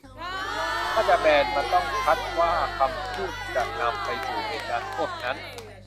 ถ้าจะแบน มันต้องชัดว่าคำพูดจะนำไปสู่เหตุการณ์พวกนั้น